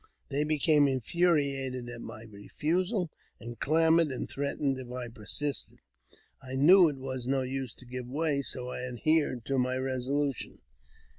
They became in furiated at my refusal, and clamoured and threatened if I persisted. I knew it was no use to give way, so I adhered to my resolution.